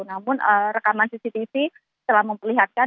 namun rekaman cctv telah memperlihatkan